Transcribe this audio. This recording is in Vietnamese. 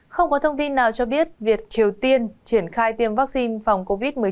không có thông tin nào cho biết việc triều tiên triển khai tiêm vaccine phòng covid một mươi chín